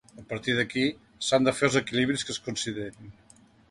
A partir d’aquí, s’han de fer els equilibris que es considerin.